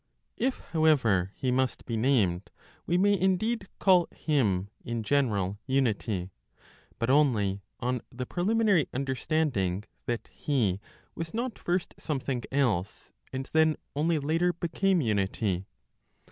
If however He must be named, we may indeed call Him in general Unity, but only on the preliminary understanding that He was not first something else, and then only later became unity.